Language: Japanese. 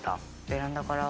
ベランダから。